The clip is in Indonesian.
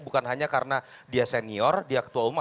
bukan hanya karena dia senior dia ketua umum